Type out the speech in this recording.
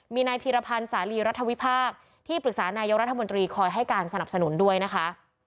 มีนายพีรพันธ์สาลีรัฐวิพากษ์ที่ปรึกษานายกรัฐมนตรีคอยให้การสนับสนุนด้วยนะคะ